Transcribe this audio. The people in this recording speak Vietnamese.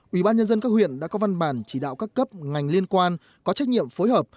ubnd các huyện đã có văn bản chỉ đạo các cấp ngành liên quan có trách nhiệm phối hợp